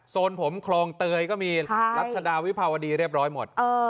ผมคลองเตยก็มีรัชดาวิภาวดีเรียบร้อยหมด